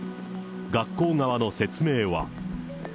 学校側の説明は。